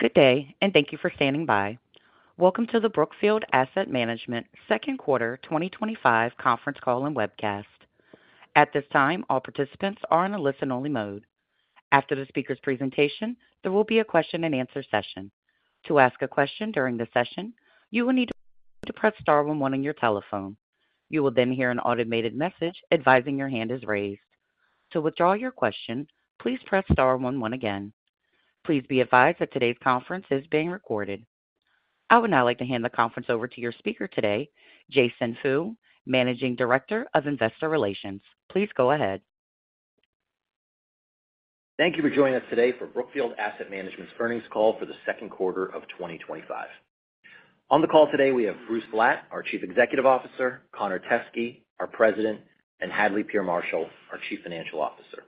Good day, and thank you for standing by. Welcome to the Brookfield Asset Management second quarter 2025 conference call and webcast. At this time, all participants are in a listen-only mode. After the speaker's presentation, there will be a question-and-answer session. To ask a question during the session, you will need to press star one one on your telephone. You will then hear an automated message advising your hand is raised. To withdraw your question, please press star one one again. Please be advised that today's conference is being recorded. I would now like to hand the conference over to your speaker today, Jason Fooks, Managing Director of Investor Relations. Please go ahead. Thank you for joining us today for Brookfield Asset Management's earnings call for the second quarter of 2025. On the call today, we have Bruce Flatt, our Chief Executive Officer, Connor Teskey, our President, and Hadley Peer Marshall, our Chief Financial Officer.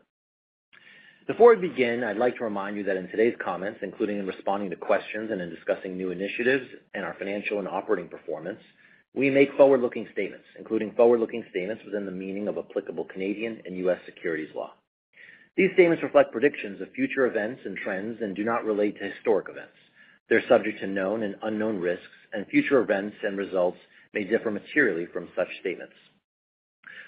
Before we begin, I'd like to remind you that in today's comments, including in responding to questions and in discussing new initiatives and our financial and operating performance, we make forward-looking statements, including forward-looking statements within the meaning of applicable Canadian and U.S. Securities law. These statements reflect predictions of future events and trends and do not relate to historic events. They're subject to known and unknown risks, and future events and results may differ materially from such statements.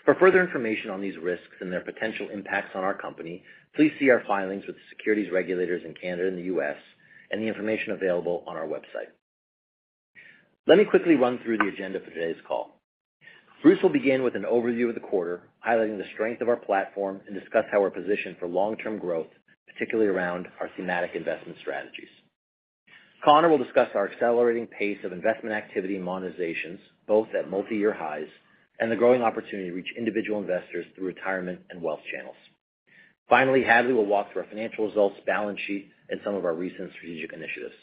For further information on these risks and their potential impacts on our company, please see our filings with the securities regulators in Canada and the U.S. and the information available on our website. Let me quickly run through the agenda for today's call. Bruce will begin with an overview of the quarter, highlighting the strength of our platform, and discuss how we're positioned for long-term growth, particularly around our thematic investment strategies. Connor will discuss our accelerating pace of investment activity and monetizations, both at multi-year highs, and the growing opportunity to reach individual investors through retirement and wealth channels. Finally, Hadley will walk through our financial results, balance sheet, and some of our recent strategic initiatives.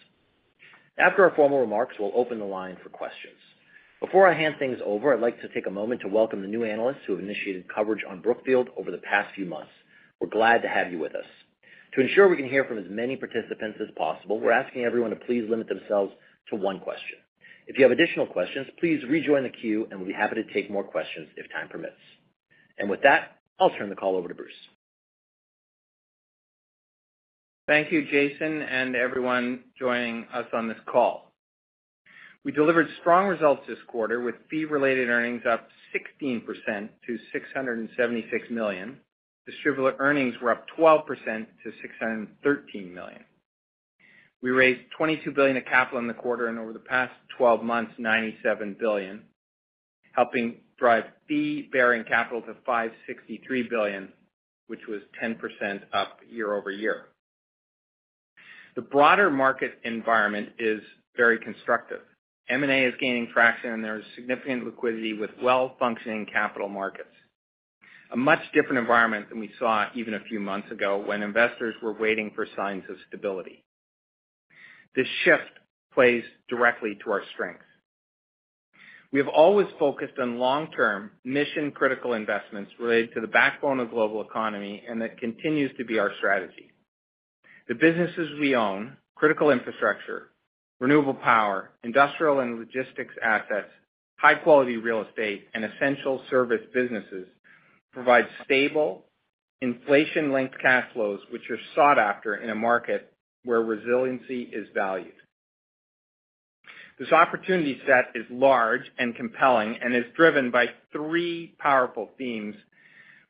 After our formal remarks, we'll open the line for questions. Before I hand things over, I'd like to take a moment to welcome the new analysts who have initiated coverage on Brookfield over the past few months. We're glad to have you with us. To ensure we can hear from as many participants as possible, we're asking everyone to please limit themselves to one question. If you have additional questions, please rejoin the queue, and we'll be happy to take more questions if time permits. With that, I'll turn the call over to Bruce. Thank you, Jason, and everyone joining us on this call. We delivered strong results this quarter, with fee-related earnings up 16% to $676 million. Distributable earnings were up 12% to $613 million. We raised $22 billion of capital in the quarter, and over the past 12 months, $97 billion, helping drive fee-bearing capital to $563 billion, which was 10% up year-over-year. The broader market environment is very constructive. M&A is gaining traction, and there is significant liquidity with well-functioning capital markets, a much different environment than we saw even a few months ago when investors were waiting for signs of stability. This shift plays directly to our strengths. We have always focused on long-term, mission-critical investments related to the backbone of the global economy, and that continues to be our strategy. The businesses we own, critical infrastructure, renewable power, industrial and logistics assets, high-quality real estate, and essential service businesses, provide stable, inflation-linked cash flows, which are sought after in a market where resiliency is valued. This opportunity set is large and compelling and is driven by three powerful themes,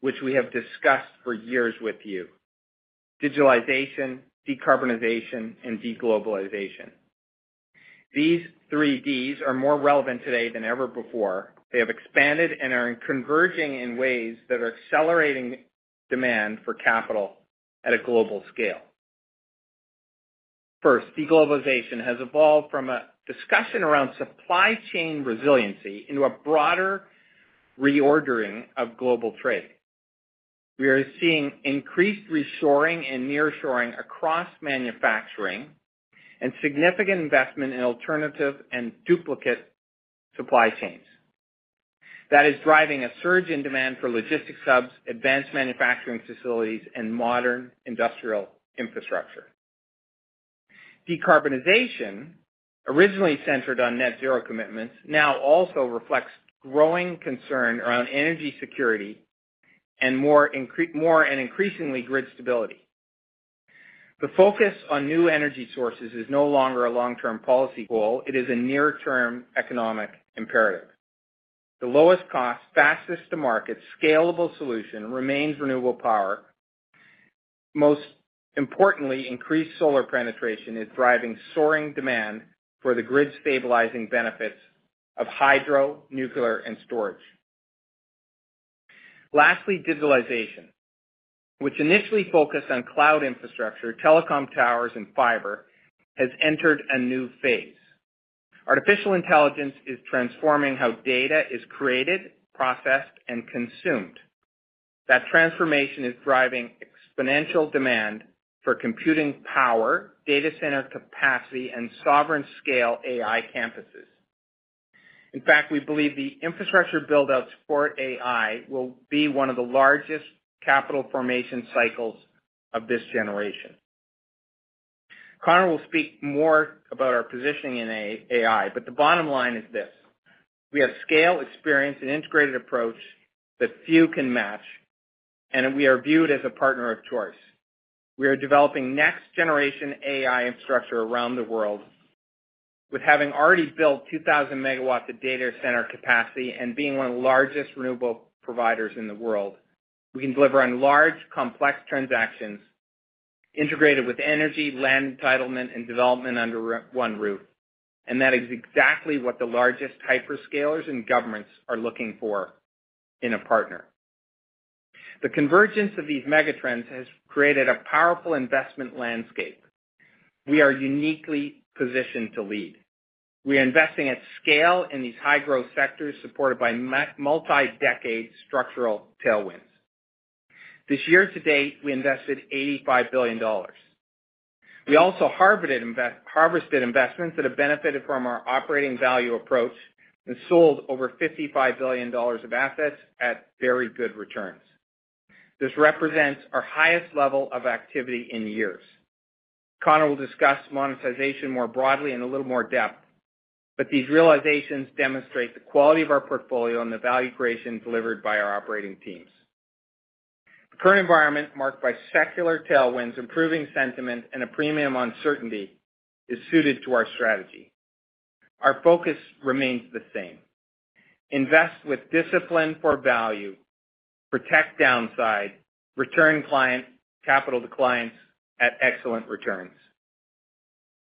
which we have discussed for years with you: Digitalization, Decarbonization, and Deglobalization. These three Ds are more relevant today than ever before. They have expanded and are converging in ways that are accelerating demand for capital at a global scale. First, Deglobalization has evolved from a discussion around supply chain resiliency into a broader reordering of global trade. We are seeing increased reshoring and nearshoring across manufacturing and significant investment in alternative and duplicate supply chains. That is driving a surge in demand for logistics hubs, advanced manufacturing facilities, and modern industrial infrastructure. Decarbonization, originally centered on net-zero commitments, now also reflects growing concern around energy security and more and increasingly grid stability. The focus on new energy sources is no longer a long-term policy goal, it is a near-term economic imperative. The lowest cost, fastest to market, scalable solution remains renewable power. Most importantly, increased solar penetration is driving soaring demand for the grid-stabilizing benefits of hydro, nuclear, and storage. Lastly, Digitalization, which initially focused on cloud infrastructure, telecom towers, and fiber, has entered a new phase. Artificial intelligence is transforming how data is created, processed, and consumed. That transformation is driving exponential demand for computing power, data center capacity, and sovereign-scale AI campuses. In fact, we believe the infrastructure buildouts for AI will be one of the largest capital formation cycles of this generation. Connor will speak more about our positioning in AI, but the bottom line is this: we have scale, experience, and integrated approach that few can match, and we are viewed as a partner of choice. We are developing next-generation AI infrastructure around the world. With having already built 2,000 MW of data center capacity and being one of the largest renewable providers in the world, we can deliver on large, complex transactions integrated with energy, land entitlement, and development under one roof. That is exactly what the largest hyperscalers and governments are looking for in a partner. The convergence of these megatrends has created a powerful investment landscape. We are uniquely positioned to lead. We are investing at scale in these high-growth sectors supported by multi-decade structural tailwinds. This year to date, we invested $85 billion. We also harvested investments that have benefited from our operating value approach and sold over $55 billion of assets at very good returns. This represents our highest level of activity in years. Connor will discuss monetization more broadly in a little more depth, but these realizations demonstrate the quality of our portfolio and the value creation delivered by our operating teams. The current environment, marked by secular tailwinds, improving sentiment, and a premium uncertainty, is suited to our strategy. Our focus remains the same: invest with discipline for value, protect downside, return client capital to clients at excellent returns.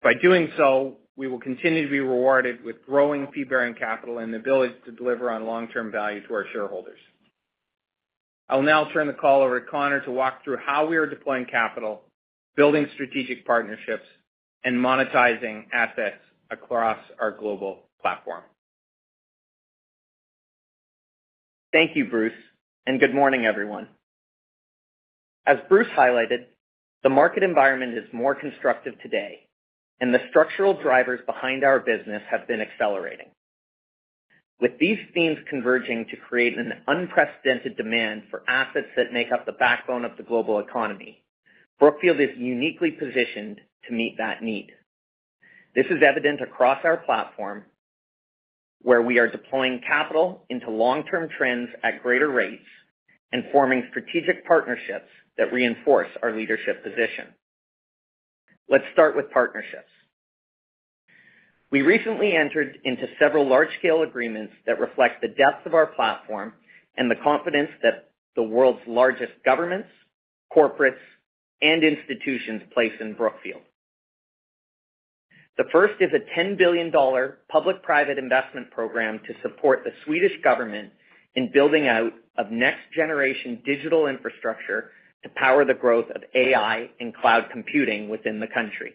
By doing so, we will continue to be rewarded with growing fee-bearing capital and the ability to deliver on long-term value to our shareholders. I'll now turn the call over to Connor to walk through how we are deploying capital, building strategic partnerships, and monetizing assets across our global platform. Thank you, Bruce, and good morning, everyone. As Bruce highlighted, the market environment is more constructive today, and the structural drivers behind our business have been accelerating. With these themes converging to create an unprecedented demand for assets that make up the backbone of the global economy, Brookfield is uniquely positioned to meet that need. This is evident across our platform, where we are deploying capital into long-term trends at greater rates and forming strategic partnerships that reinforce our leadership position. Let's start with partnerships. We recently entered into several large-scale agreements that reflect the depth of our platform and the confidence that the world's largest governments, corporates, and institutions place in Brookfield. The first is a $10 billion public-private investment program to support the Swedish government in building out next-generation digital infrastructure to power the growth of artificial intelligence and cloud computing within the country.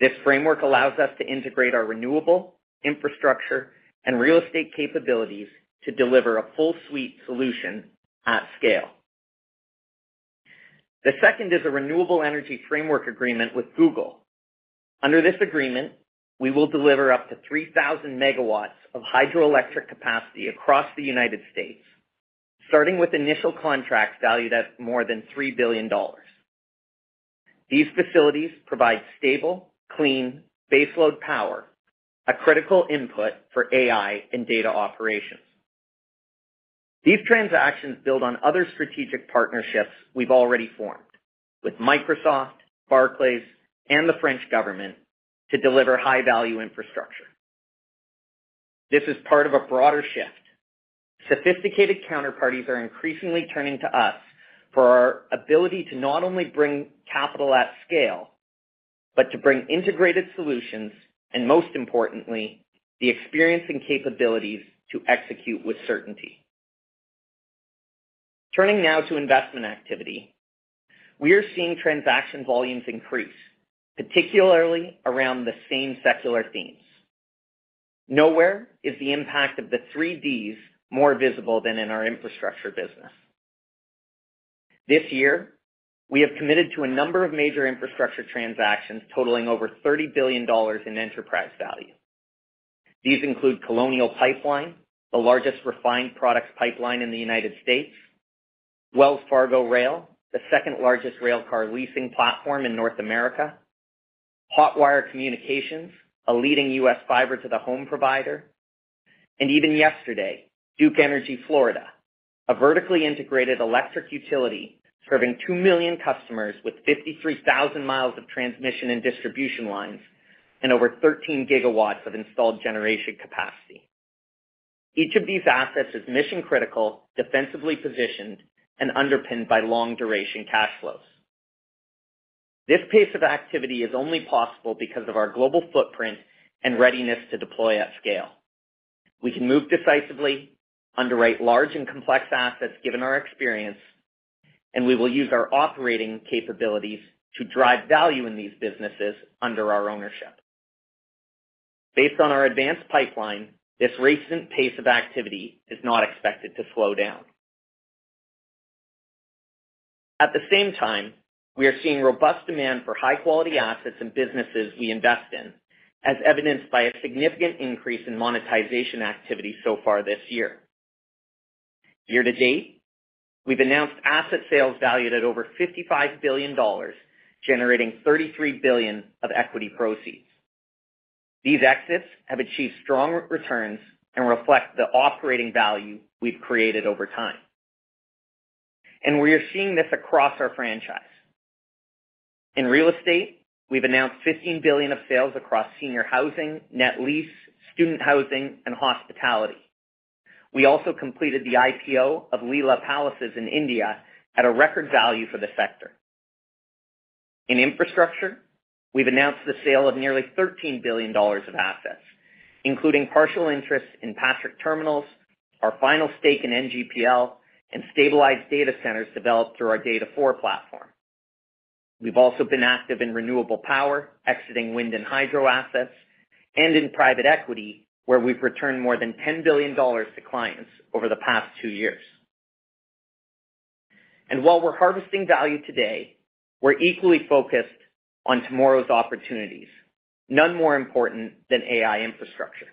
This framework allows us to integrate our renewable infrastructure and real estate capabilities to deliver a full-suite solution at scale. The second is a renewable energy framework agreement with Google. Under this agreement, we will deliver up to 3,000 MW of hydroelectric capacity across the U.S., starting with initial contracts valued at more than $3 billion. These facilities provide stable, clean, baseload power, a critical input for artificial intelligence and data operation. These transactions build on other strategic partnerships we've already formed with Microsoft, Barclays, and the French government to deliver high-value infrastructure. This is part of a broader shift. Sophisticated counterparties are increasingly turning to us for our ability to not only bring capital at scale but to bring integrated solutions and, most importantly, the experience and capabilities to execute with certainty. Turning now to investment activity, we are seeing transaction volumes increase, particularly around the same secular themes. Nowhere is the impact of the three Ds more visible than in our infrastructure business. This year, we have committed to a number of major infrastructure transactions totaling over $30 billion in enterprise value. These include Colonial Pipeline, the largest refined product pipeline in the United States, Wells Fargo Rail, the second-largest railcar leasing platform in North America, Hotwire Communications, a leading U.S. fiber-to-the-home provider, and even yesterday, Duke Energy Florida, a vertically integrated electric utility serving 2 million customers with 53,000 mi of transmission and distribution lines and over 13 GW of installed generation capacity. Each of these assets is mission-critical, defensively positioned, and underpinned by long-duration cash flows. This pace of activity is only possible because of our global footprint and readiness to deploy at scale. We can move decisively, underwrite large and complex assets given our experience, and we will use our operating capabilities to drive value in these businesses under our ownership. Based on our advanced pipeline, this recent pace of activity is not expected to slow down. At the same time, we are seeing robust demand for high-quality assets and businesses we invest in, as evidenced by a significant increase in monetization activity so far this year. Year to date, we've announced asset sales valued at over $55 billion, generating $33 billion of equity proceeds. These exits have achieved strong returns and reflect the operating value we've created over time. We are seeing this across our franchise. In real estate, we've announced $15 billion of sales across senior housing, net lease, student housing, and hospitality. We also completed the IPO of Leela Palaces in India at a record value for the sector. In infrastructure, we've announced the sale of nearly $13 billion of assets, including partial interest in Patrick Terminals, our final stake in NGPL, and stabilized data centers developed through our Data4 platform. We've also been active in renewable power, exiting wind and hydro assets, and in private equity, where we've returned more than $10 billion to clients over the past two years. While we're harvesting value today, we're equally focused on tomorrow's opportunities, none more important than AI infrastructure.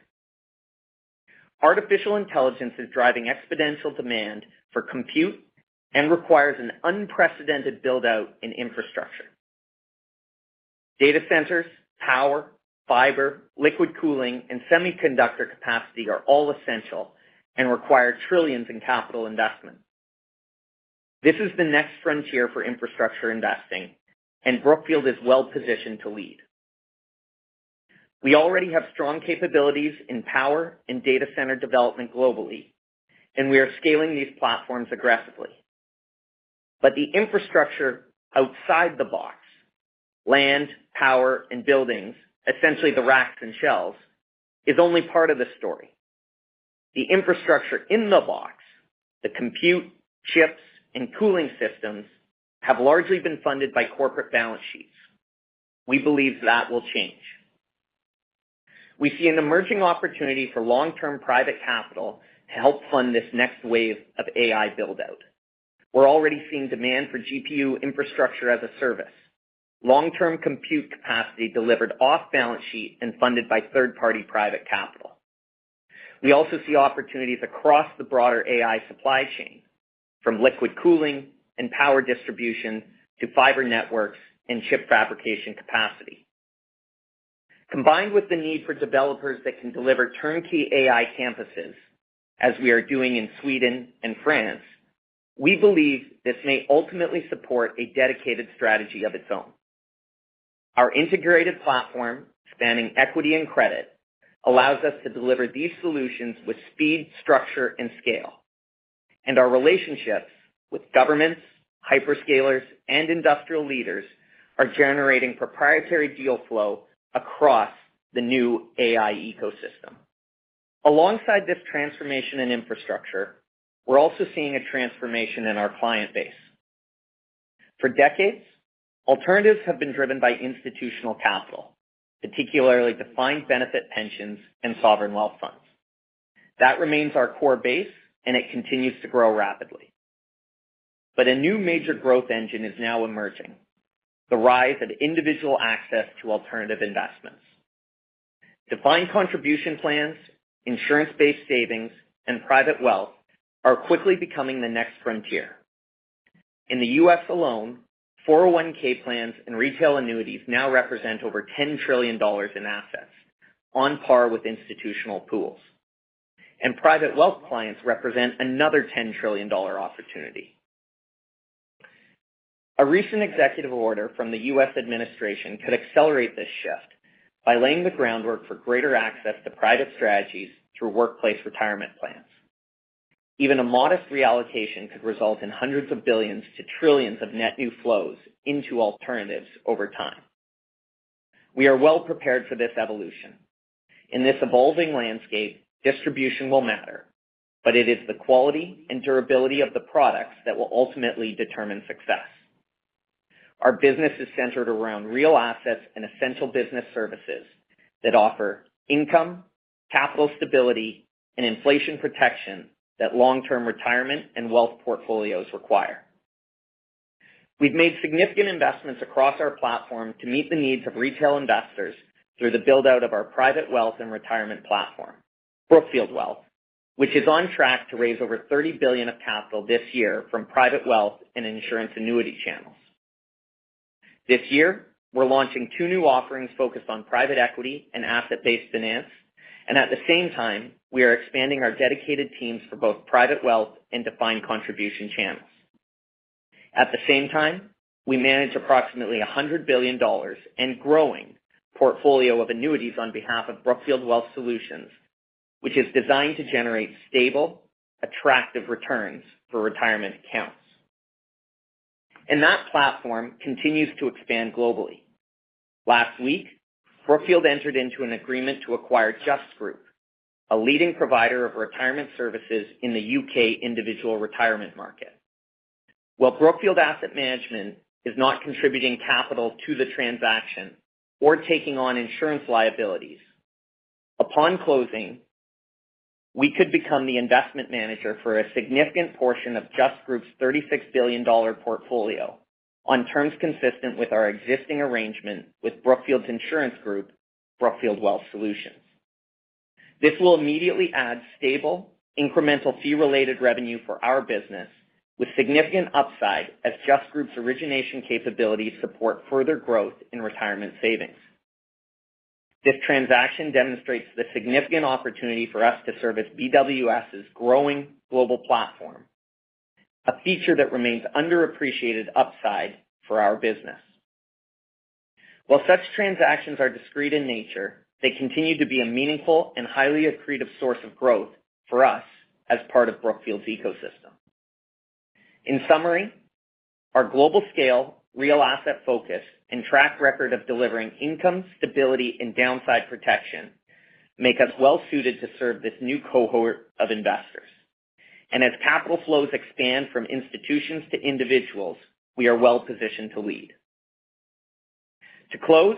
Artificial intelligence is driving exponential demand for compute and requires an unprecedented buildout in infrastructure. Data centers, power, fiber, liquid cooling, and semiconductor capacity are all essential and require trillions in capital investment. This is the next frontier for infrastructure investing, and Brookfield is well-positioned to lead. We already have strong capabilities in power and data center development globally, and we are scaling these platforms aggressively. The infrastructure outside the box—land, power, and buildings, essentially the racks and shelves—is only part of the story. The infrastructure in the box, the compute, chips, and cooling systems, have largely been funded by corporate balance sheets. We believe that will change. We see an emerging opportunity for long-term private capital to help fund this next wave of artificial intelligence buildout. We're already seeing demand for GPU infrastructure as a service, long-term compute capacity delivered off balance sheet and funded by third-party private capital. We also see opportunities across the broader artificial intelligence supply chain, from liquid cooling and power distribution to fiber networks and chip fabrication capacity. Combined with the need for developers that can deliver turnkey artificial intelligence campuses, as we are doing in Sweden and France, we believe this may ultimately support a dedicated strategy of its own. Our integrated platform, spanning equity and credit, allows us to deliver these solutions with speed, structure, and scale. Our relationships with governments, hyperscalers, and industrial leaders are generating proprietary deal flow across the new artificial intelligence ecosystem. Alongside this transformation in infrastructure, we're also seeing a transformation in our client base. For decades, alternatives have been driven by institutional capital, particularly defined benefit pensions and sovereign wealth funds. That remains our core base, and it continues to grow rapidly. A new major growth engine is now emerging: the rise of individual access to alternative investments. Defined contribution plans, insurance-based savings, and private wealth are quickly becoming the next frontier. In the U.S. alone, 401(k) plans and retail annuities now represent over $10 trillion in assets, on par with institutional pools. Private wealth clients represent another $10 trillion opportunity. A recent executive order from the U.S. administration could accelerate this shift by laying the groundwork for greater access to private strategies through workplace retirement plans. Even a modest reallocation could result in hundreds of billions to trillions of net new flows into alternatives over time. We are well prepared for this evolution. In this evolving landscape, distribution will matter, but it is the quality and durability of the products that will ultimately determine success. Our business is centered around real assets and essential business services that offer income, capital stability, and inflation protection that long-term retirement and wealth portfolios require. We've made significant investments across our platform to meet the needs of retail investors through the buildout of our private wealth and retirement platform, Brookfield Wealth, which is on track to raise over $30 billion of capital this year from private wealth and insurance annuity channels. This year, we're launching two new offerings focused on private equity and asset-backed finance, and at the same time, we are expanding our dedicated teams for both private wealth and defined contribution channels. At the same time, we manage approximately $100 billion and growing portfolio of annuities on behalf of Brookfield Wealth Solutions, which is designed to generate stable, attractive returns for retirement accounts. That platform continues to expand globally. Last week, Brookfield entered into an agreement to acquire Just Group, a leading provider of retirement services in the U.K. individual retirement market. While Brookfield Asset Management is not contributing capital to the transaction or taking on insurance liabilities, upon closing, we could become the investment manager for a significant portion of Just Group's $36 billion portfolio on terms consistent with our existing arrangement with Brookfield's insurance group, Brookfield Wealth Solutions. This will immediately add stable, incremental fee-related revenue for our business, with significant upside as Just Group's origination capabilities support further growth in retirement savings. This transaction demonstrates the significant opportunity for us to service BWS' growing global platform, a feature that remains underappreciated upside for our business. While such transactions are discreet in nature, they continue to be a meaningful and highly accretive source of growth for us as part of Brookfield's ecosystem. In summary, our global scale, real asset focus, and track record of delivering income, stability, and downside protection make us well-suited to serve this new cohort of investors. As capital flows expand from institutions to individuals, we are well-positioned to lead. To close,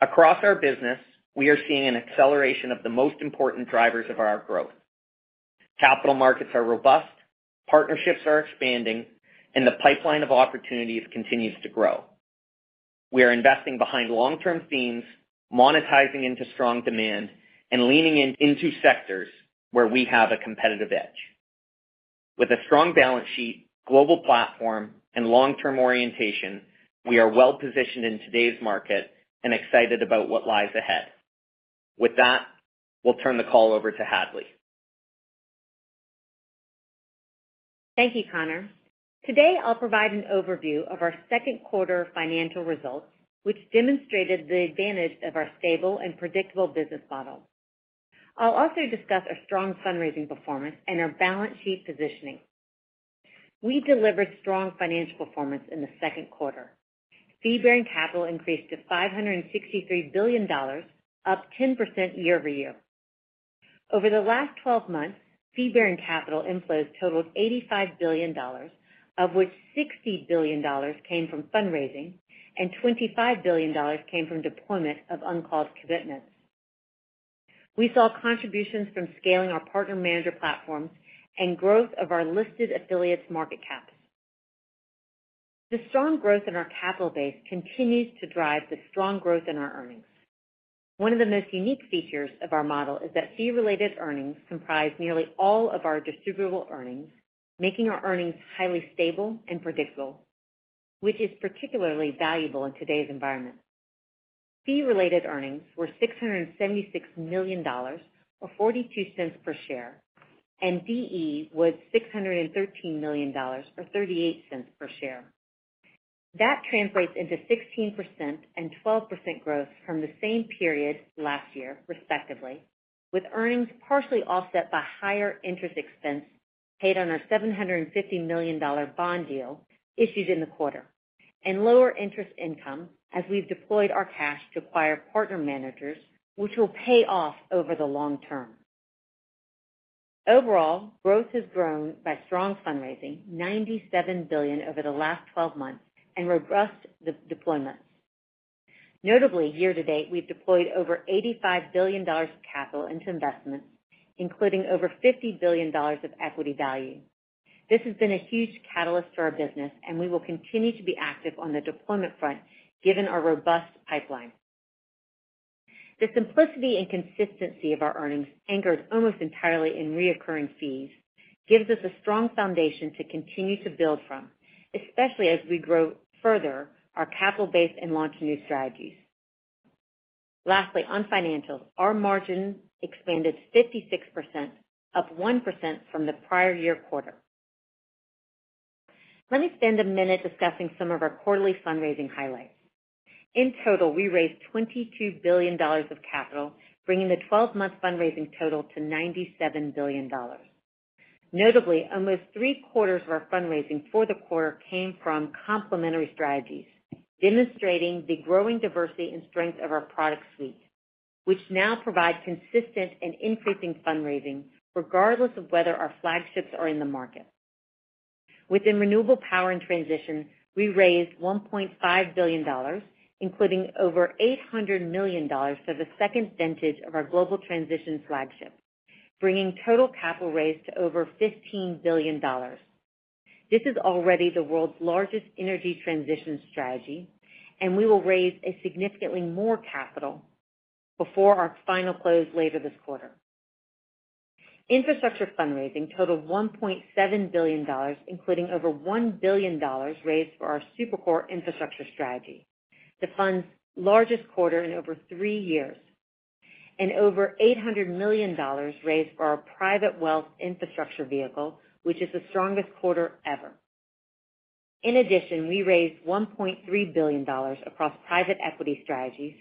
across our business, we are seeing an acceleration of the most important drivers of our growth. Capital markets are robust, partnerships are expanding, and the pipeline of opportunities continues to grow. We are investing behind long-term themes, monetizing into strong demand, and leaning into sectors where we have a competitive edge. With a strong balance sheet, global platform, and long-term orientation, we are well-positioned in today's market and excited about what lies ahead. With that, we'll turn the call over to Hadley. Thank you, Connor. Today, I'll provide an overview of our second quarter financial results, which demonstrated the advantage of our stable and predictable business model. I'll also discuss our strong fundraising performance and our balance sheet positioning. We delivered strong financial performance in the second quarter. Fee-bearing capital increased to $563 billion, up 10% year-over-year. Over the last 12 months, fee-bearing capital inflows totaled $85 billion, of which $60 billion came from fundraising, and $25 billion came from deployment of uncalled commitments. We saw contributions from scaling our partner-manager platforms and growth of our listed affiliates' market caps. The strong growth in our capital base continues to drive the strong growth in our earnings. One of the most unique features of our model is that fee-related earnings comprise nearly all of our distributable earnings, making our earnings highly stable and predictable, which is particularly valuable in today's environment. Fee-related earnings were $676 million, or $0.42 per share, and DE was $613 million, or $0.38 per share. That translates into 16% and 12% growth from the same period last year, respectively, with earnings partially offset by higher interest expense paid on our $750 million bond deal issued in the quarter and lower interest income as we've deployed our cash to acquire partner managers, which will pay off over the long term. Overall, growth has grown by strong fundraising, $97 billion over the last 12 months, and robust deployments. Notably, year to date, we've deployed over $85 billion of capital into investments, including over $50 billion of equity value. This has been a huge catalyst for our business, and we will continue to be active on the deployment front, given our robust pipeline. The simplicity and consistency of our earnings, anchored almost entirely in reoccurring fees, gives us a strong foundation to continue to build from, especially as we grow further our capital base and launch new strategies. Lastly, on financials, our margin expanded 56%, up 1% from the prior year quarter. Let me spend a minute discussing some of our quarterly fundraising highlights. In total, we raised $22 billion of capital, bringing the 12-month fundraising total to $97 billion. Notably, almost three quarters of our fundraising for the quarter came from complementary strategies, demonstrating the growing diversity and strength of our product suite, which now provides consistent and increasing fundraising regardless of whether our flagships are in the market. Within renewable power and transition, we raised $1.5 billion, including over $800 million for the second vintage of our global transition flagship, bringing total capital raised to over $15 billion. This is already the world's largest energy transition strategy, and we will raise significantly more capital before our final close later this quarter. Infrastructure fundraising totaled $1.7 billion, including over $1 billion raised for our Super-Core Infrastructure strategy, the fund's largest quarter in over three years, and over $800 million raised for our private wealth infrastructure vehicle, which is the strongest quarter ever. In addition, we raised $1.3 billion across Private Equity Strategies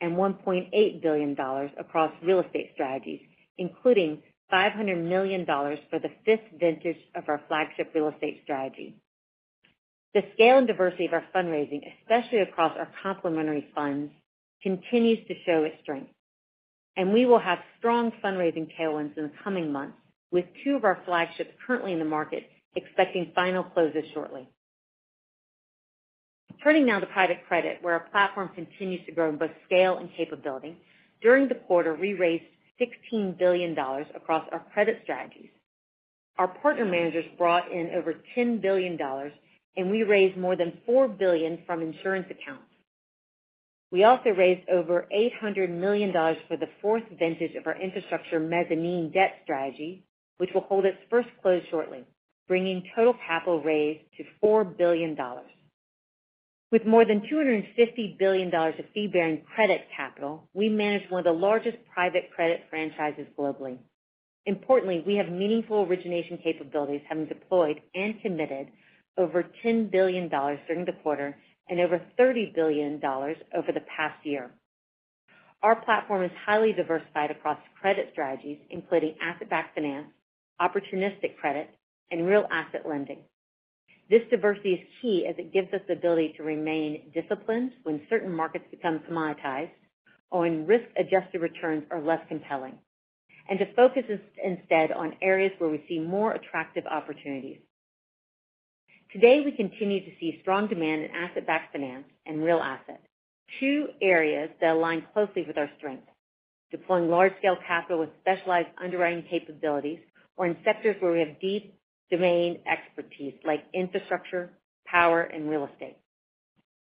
and $1.8 billion across real estate strategies, including $500 million for the fifth vintage of our flagship real estate strategy. The scale and diversity of our fundraising, especially across our complementary funds, continues to show its strength. We will have strong fundraising tailwinds in the coming months, with two of our flagships currently in the market expecting final closes shortly. Turning now to private credit, where our platform continues to grow in both scale and capability, during the quarter, we raised $16 billion across our credit strategies. Our partner managers brought in over $10 billion, and we raised more than $4 billion from insurance accounts. We also raised over $800 million for the fourth vintage of our infrastructure mezzanine debt strategy, which will hold its first close shortly, bringing total capital raised to $4 billion. With more than $250 billion of fee-bearing credit capital, we manage one of the largest private credit franchises globally. Importantly, we have meaningful origination capabilities, having deployed and committed over $10 billion during the quarter and over $30 billion over the past year. Our platform is highly diversified across credit strategies, including asset-backed finance, opportunistic credit, and real asset lending. This diversity is key as it gives us the ability to remain disciplined when certain markets become commoditized or when risk-adjusted returns are less compelling, and to focus instead on areas where we see more attractive opportunities. Today, we continue to see strong demand in asset-backed finance and real asset, two areas that align closely with our strength: deploying large-scale capital with specialized underwriting capabilities or in sectors where we have deep domain expertise, like infrastructure, power, and real estate.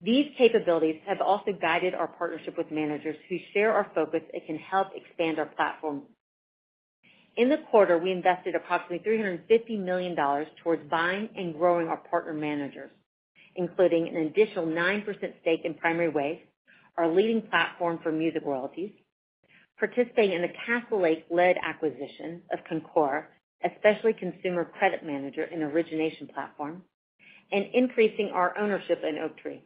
These capabilities have also guided our partnership with managers who share our focus and can help expand our platform. In the quarter, we invested approximately $350 million towards buying and growing our partner managers, including an additional 9% stake in Primary Wave, our leading platform for music royalties, participating in the Castlelake-led acquisition of Concora, a specialty consumer credit manager and origination platform, and increasing our ownership in Oaktree.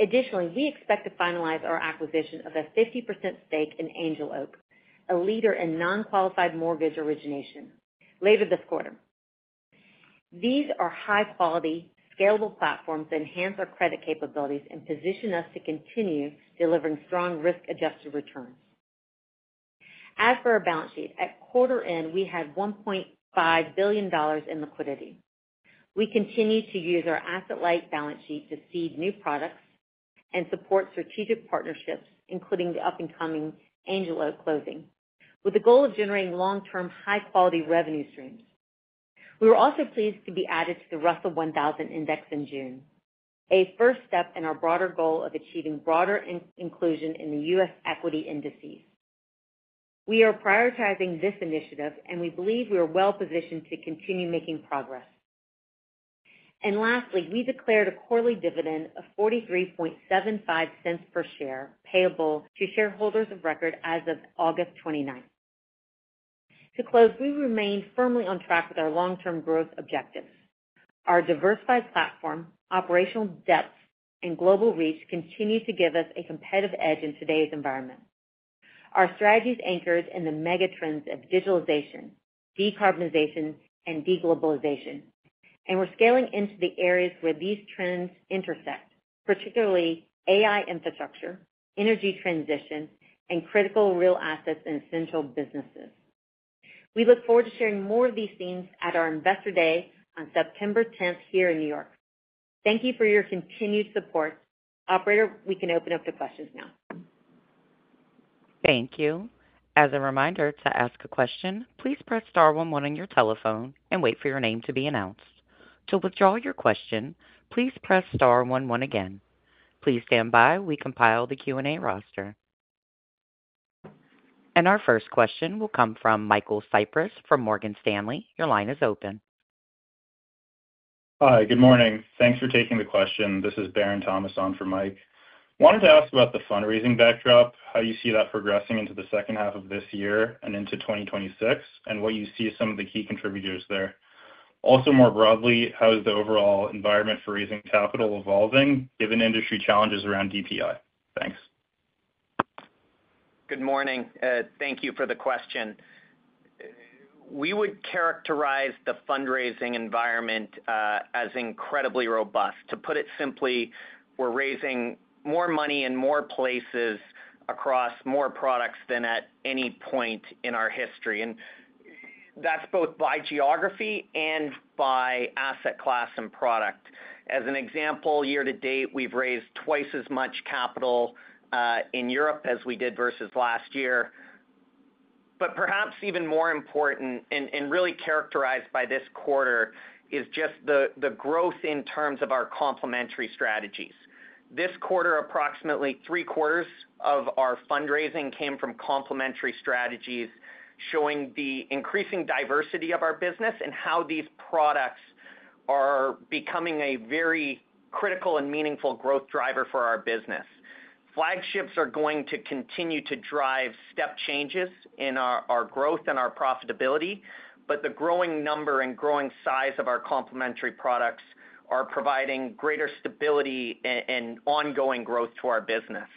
Additionally, we expect to finalize our acquisition of a 50% stake in Angel Oak, a leader in non-qualified mortgage origination, later this quarter. These are high-quality, scalable platforms that enhance our credit capabilities and position us to continue delivering strong risk-adjusted returns. As for our balance sheet, at quarter end, we had $1.5 billion in liquidity. We continue to use our asset-light balance sheet to seed new products and support strategic partnerships, including the upcoming Angel Oak closing, with the goal of generating long-term, high-quality revenue streams. We were also pleased to be added to the Russell 1000 Index in June, a first step in our broader goal of achieving broader inclusion in the U.S. equity indices. We are prioritizing this initiative, and we believe we are well-positioned to continue making progress. Lastly, we declared a quarterly dividend of $43.75 per share, payable to shareholders of record as of August 29. To close, we remain firmly on track with our long-term growth objectives. Our diversified platform, operational depth, and global reach continue to give us a competitive edge in today's environment. Our strategy is anchored in the mega trends of Digitalization, Decarbonization, and Deglobalization, and we're scaling into the areas where these trends intersect, particularly artificial intelligence infrastructure, energy transition, and critical real assets in essential businesses. We look forward to sharing more of these themes at our Investor Day on September 10th here in New York. Thank you for your continued support. Operator, we can open up to questions now. Thank you. As a reminder, to ask a question, please press star one one on your telephone and wait for your name to be announced. To withdraw your question, please press star one one again. Please stand by. We compile the Q&A roster. Our first question will come from Michael Cyprys from Morgan Stanley. Your line is open. Hi. Good morning. Thanks for taking the question. This is Barron Thomas on for Mike. I wanted to ask about the fundraising backdrop, how you see that progressing into the second half of this year and into 2026, and what you see as some of the key contributors there. Also, more broadly, how is the overall environment for raising capital evolving, given industry challenges around DPI? Thanks. Good morning. Thank you for the question. We would characterize the fundraising environment as incredibly robust. To put it simply, we're raising more money in more places across more products than at any point in our history. That's both by geography and by asset class and product. As an example, year to date, we've raised twice as much capital in Europe as we did versus last year. Perhaps even more important and really characterized by this quarter is just the growth in terms of our complementary strategies. This quarter, approximately three quarters of our fundraising came from complementary strategies, showing the increasing diversity of our business and how these products are becoming a very critical and meaningful growth driver for our business. Flagships are going to continue to drive step changes in our growth and our profitability. The growing number and growing size of our complementary products are providing greater stability and ongoing growth to our business.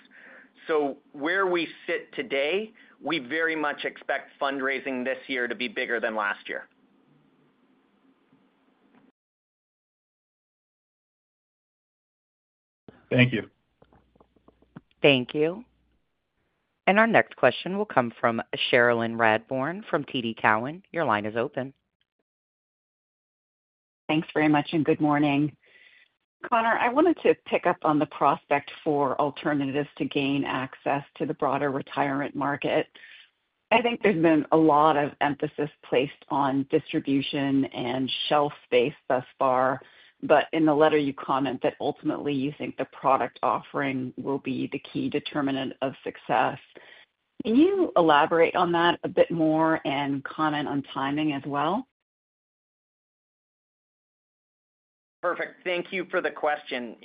Where we sit today, we very much expect fundraising this year to be bigger than last year. Thank you. Thank you. Our next question will come from Cherilyn Radbourne from TD Cowen. Your line is open. Thanks very much, and good morning. Connor, I wanted to pick up on the prospect for alternatives to gain access to the broader retirement market. I think there's been a lot of emphasis placed on distribution and shelf space thus far, but in the letter, you comment that ultimately you think the product offering will be the key determinant of success. Can you elaborate on that a bit more and comment on timing as well? Perfect. Thank you for the question.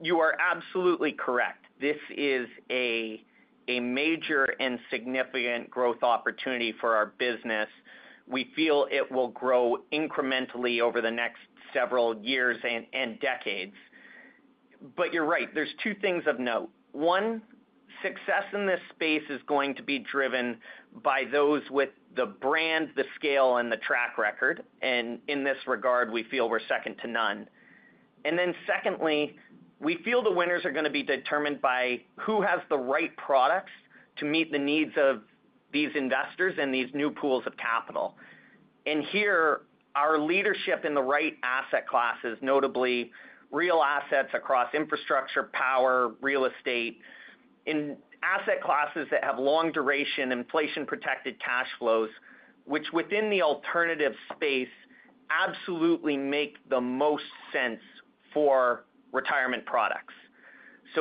You are absolutely correct. This is a major and significant growth opportunity for our business. We feel it will grow incrementally over the next several years and decades. You're right, there are two things of note. One, success in this space is going to be driven by those with the brand, the scale, and the track record. In this regard, we feel we're second to none. Secondly, we feel the winners are going to be determined by who has the right products to meet the needs of these investors and these new pools of capital. Here, our leadership in the right asset classes, notably real assets across infrastructure, power, real estate, and asset classes that have long-duration, inflation-protected cash flows, which within the alternative space absolutely make the most sense for retirement products.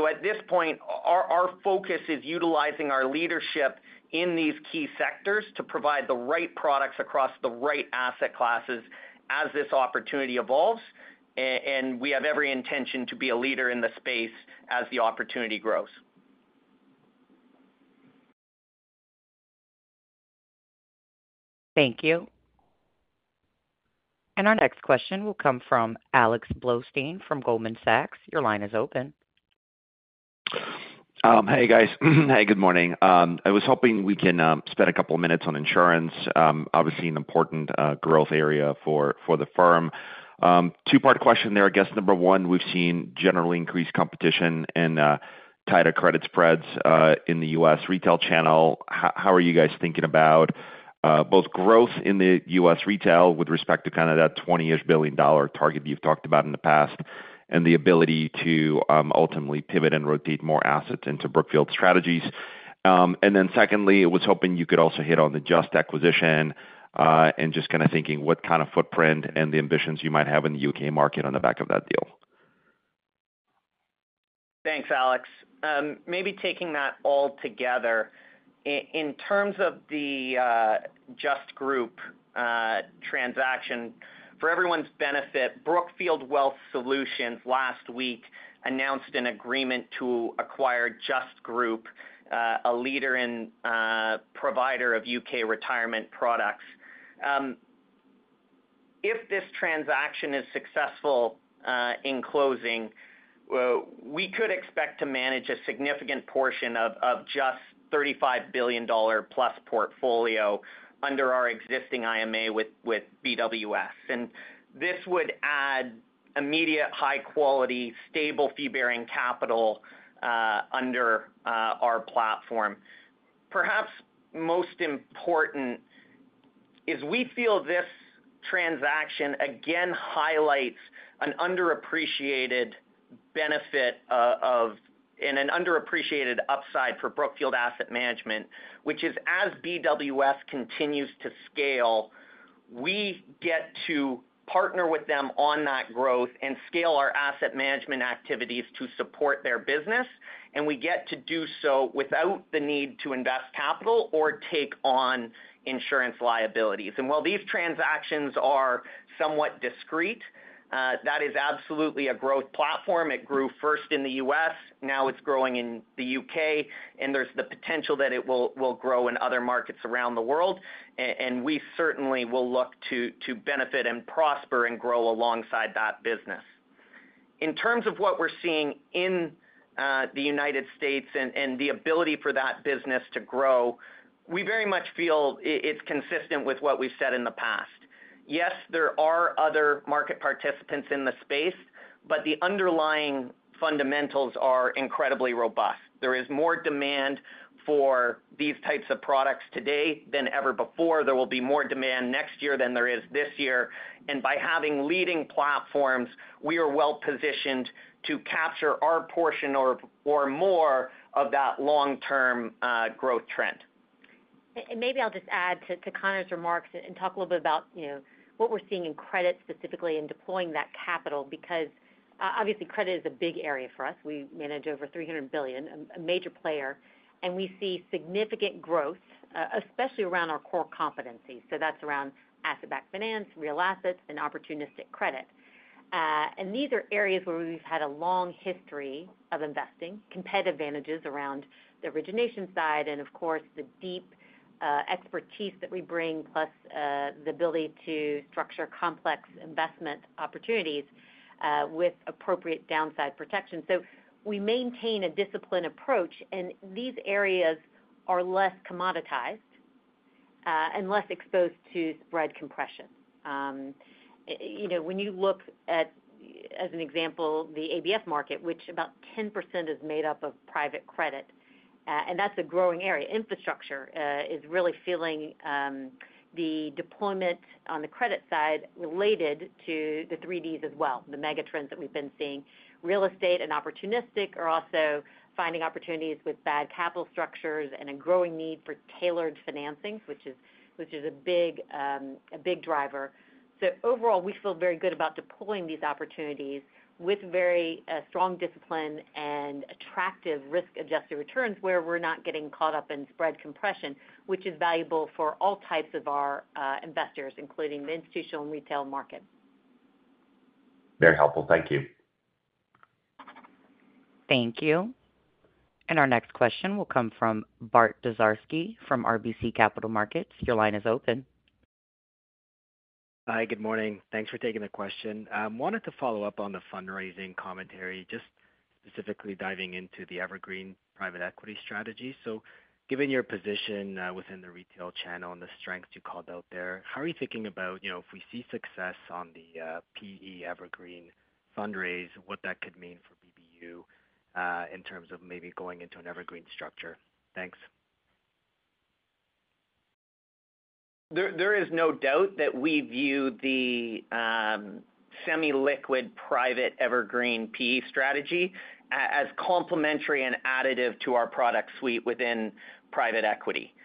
At this point, our focus is utilizing our leadership in these key sectors to provide the right products across the right asset classes as this opportunity evolves. We have every intention to be a leader in the space as the opportunity grows. Thank you. Our next question will come from Alex Blostein from Goldman Sachs. Your line is open. Hey, guys. Hey, good morning. I was hoping we can spend a couple of minutes on insurance, obviously an important growth area for the firm. Two-part question there. I guess number one, we've seen generally increased competition and tighter credit spreads in the U.S. retail channel. How are you guys thinking about both growth in the U.S. retail with respect to kind of that $20 billion-ish target you've talked about in the past and the ability to ultimately pivot and rotate more assets into Brookfield strategies? I was hoping you could also hit on the Just acquisition and just kind of thinking what kind of footprint and the ambitions you might have in the U.K. market on the back of that deal. Thanks, Alex. Maybe taking that all together, in terms of the Just Group transaction, for everyone's benefit, Brookfield Wealth Solutions last week announced an agreement to acquire Just Group, a leader and provider of U.K. retirement products. If this transaction is successful in closing, we could expect to manage a significant portion of Just's $35 billion-plus portfolio under our existing IMA with BWS. This would add immediate, high-quality, stable fee-bearing capital under our platform. Perhaps most important is we feel this transaction again highlights an underappreciated benefit and an underappreciated upside for Brookfield Asset Management, which is as BWS continues to scale, we get to partner with them on that growth and scale our asset management activities to support their business. We get to do so without the need to invest capital or take on insurance liabilities. While these transactions are somewhat discrete, that is absolutely a growth platform. It grew first in the U.S. Now it's growing in the U.K. There's the potential that it will grow in other markets around the world. We certainly will look to benefit and prosper and grow alongside that business. In terms of what we're seeing in the United States and the ability for that business to grow, we very much feel it's consistent with what we've said in the past. Yes, there are other market participants in the space, but the underlying fundamentals are incredibly robust. There is more demand for these types of products today than ever before. There will be more demand next year than there is this year. By having leading platforms, we are well-positioned to capture our portion or more of that long-term growth trend. Maybe I'll just add to Connor's remarks and talk a little bit about what we're seeing in credit, specifically in deploying that capital, because obviously credit is a big area for us. We manage over $300 billion, a major player. We see significant growth, especially around our core competencies. That's around asset-backed finance, real assets, and opportunistic credit. These are areas where we've had a long history of investing, competitive advantages around the origination side, and of course, the deep expertise that we bring, plus the ability to structure complex investment opportunities with appropriate downside protection. We maintain a disciplined approach, and these areas are less commoditized and less exposed to spread compression. When you look at, as an example, the asset-backed finance market, which about 10% is made up of private credit, and that's a growing area, infrastructure is really feeling the deployment on the credit side related to the three Ds as well, the mega trends that we've been seeing. Real estate and opportunistic are also finding opportunities with bad capital structures and a growing need for tailored financing, which is a big driver. Overall, we feel very good about deploying these opportunities with very strong discipline and attractive risk-adjusted returns where we're not getting caught up in spread compression, which is valuable for all types of our investors, including the institutional and retail market. Very helpful. Thank you. Thank you. Our next question will come from Bart Dziariski from RBC Capital Markets. Your line is open. Hi. Good morning. Thanks for taking the question. I wanted to follow up on the fundraising commentary, just specifically diving into the Evergreen Private Equity Strategy. Given your position within the retail channel and the strengths you called out there, how are you thinking about, you know, if we see success on the PE Evergreen Fundraise, what that could mean for BBU in terms of maybe going into an Evergreen structure? Thanks. There is no doubt that we view the semi-liquid private evergreen PE strategy as complementary and additive to our product suite within Private Equity.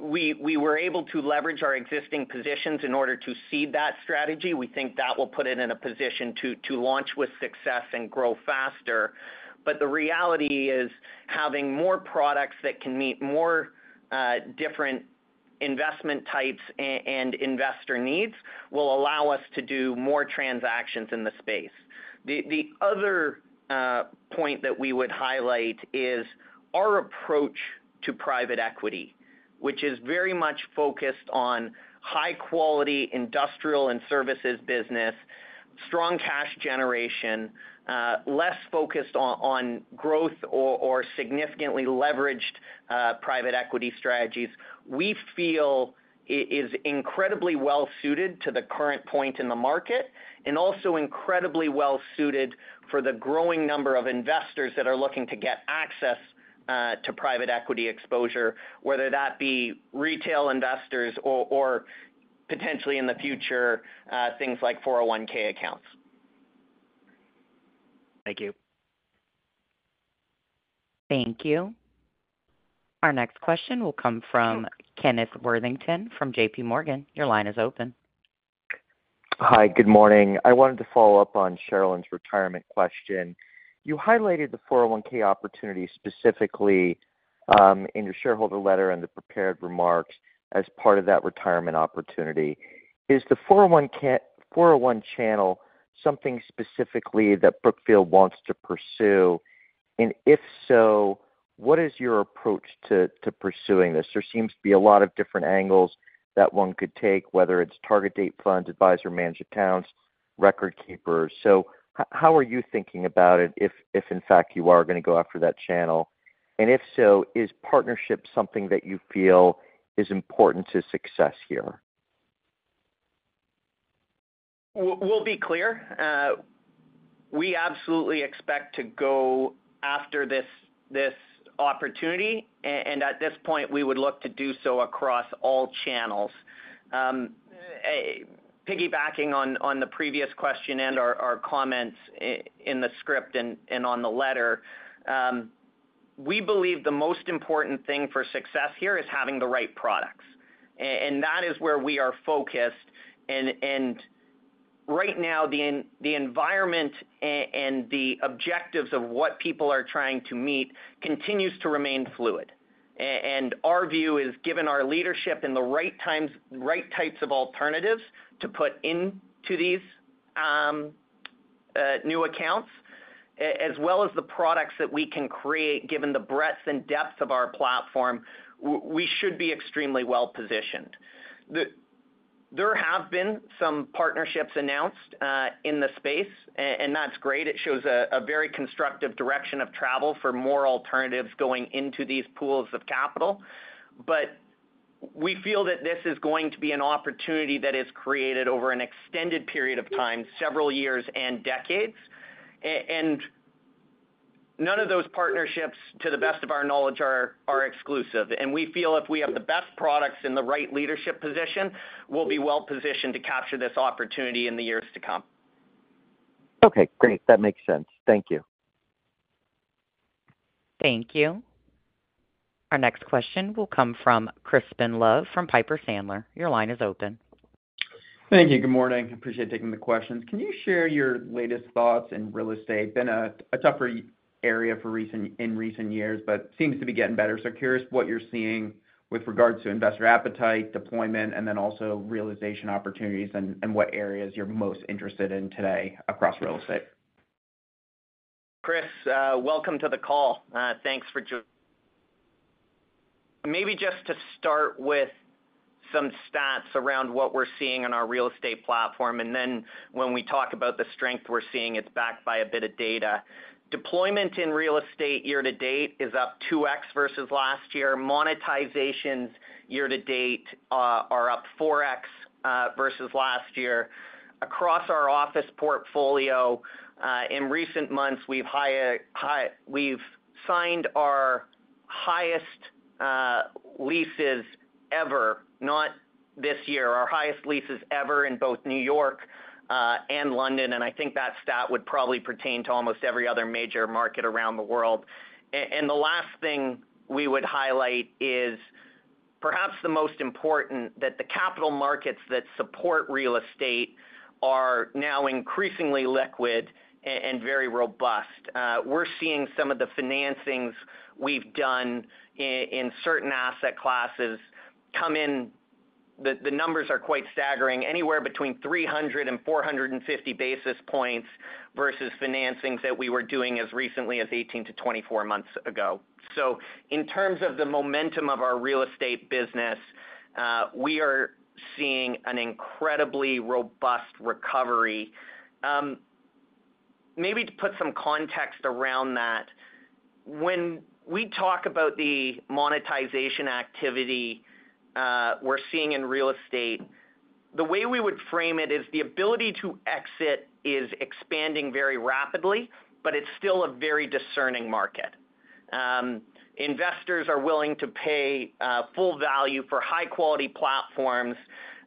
We were able to leverage our existing positions in order to seed that strategy. We think that will put it in a position to launch with success and grow faster. The reality is having more products that can meet more different investment types and investor needs will allow us to do more transactions in the space. The other point that we would highlight is our approach to Private Equity, which is very much focused on high-quality industrial and services business, strong cash generation, less focused on growth or significantly leveraged Private Equity Strategies. We feel it is incredibly well-suited to the current point in the market and also incredibly well-suited for the growing number of investors that are looking to get access to Private Equity exposure, whether that be retail investors or potentially in the future, things like 401(k) accounts. Thank you. Thank you. Our next question will come from Kenneth Worthington from JPMorgan. Your line is open. Hi. Good morning. I wanted to follow up on Cherilyn's retirement question. You highlighted the 401(k) opportunity specifically in your shareholder letter and the prepared remarks as part of that retirement opportunity. Is the 401(k) channel something specifically that Brookfield wants to pursue? If so, what is your approach to pursuing this? There seems to be a lot of different angles that one could take, whether it's target date funds, advisor manager towns, record keepers. How are you thinking about it if, in fact, you are going to go after that channel? If so, is partnership something that you feel is important to success here? We absolutely expect to go after this opportunity. At this point, we would look to do so across all channels. Piggybacking on the previous question and our comments in the script and on the letter, we believe the most important thing for success here is having the right products. That is where we are focused. Right now, the environment and the objectives of what people are trying to meet continue to remain fluid. Our view is, given our leadership and the right types of alternatives to put into these new accounts, as well as the products that we can create, given the breadth and depth of our platform, we should be extremely well-positioned. There have been some partnerships announced in the space, and that's great. It shows a very constructive direction of travel for more alternatives going into these pools of capital. We feel that this is going to be an opportunity that is created over an extended period of time, several years and decades. None of those partnerships, to the best of our knowledge, are exclusive. We feel if we have the best products and the right leadership position, we'll be well-positioned to capture this opportunity in the years to come. OK. Great. That makes sense. Thank you. Thank you. Our next question will come from Crispin Love from Piper Sandler. Your line is open. Thank you. Good morning. Appreciate taking the questions. Can you share your latest thoughts in real estate? It's been a tougher area in recent years, but seems to be getting better. Curious what you're seeing with regards to investor appetite, deployment, and also realization opportunities, and what areas you're most interested in today across real estate. Chris, welcome to the call. Thanks for joining. Maybe just to start with some stats around what we're seeing in our real estate platform. When we talk about the strength we're seeing, it's backed by a bit of data. Deployment in real estate year to date is up 2x versus last year. Monetizations year to date are up 4x versus last year. Across our office portfolio in recent months, we've signed our highest leases ever, not this year, our highest leases ever in both New York and London. I think that stat would probably pertain to almost every other major market around the world. The last thing we would highlight is perhaps the most important, that the capital markets that support real estate are now increasingly liquid and very robust. We're seeing some of the financings we've done in certain asset classes come in. The numbers are quite staggering, anywhere between 300 basis points and 450 basis points versus financings that we were doing as recently as 18 to 24 months ago. In terms of the momentum of our real estate business, we are seeing an incredibly robust recovery. Maybe to put some context around that, when we talk about the monetization activity we're seeing in real estate, the way we would frame it is the ability to exit is expanding very rapidly, but it's still a very discerning market. Investors are willing to pay full value for high-quality platforms